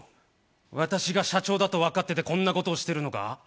私が社長だとわかってて、こんなことをしているのか？